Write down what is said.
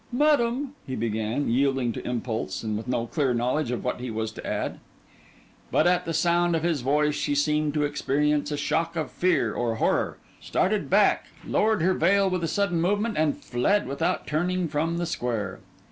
'Madam,' he began, yielding to impulse and with no clear knowledge of what he was to add. But at the sound of his voice she seemed to experience a shock of fear or horror; started back; lowered her veil with a sudden movement; and fled, without turning, from the square.